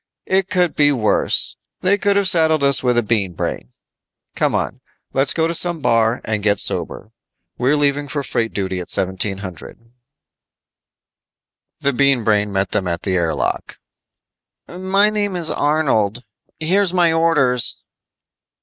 "It could be worse. They could've saddled us with a Bean Brain. Come on. Let's go to some bar and get sober. We're leaving for freight duty at 1700." The Bean Brain met them at the air lock. "Name is Arnold. Here's my orders."